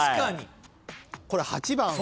これ８番。